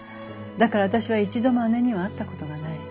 だから私は一度も姉には会ったことがない。